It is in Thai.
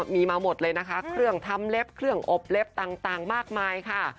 มีมาหมดเลยนะคะเครื่องทำเล็บเครื่องอบเล็บต่างมากมายค่ะ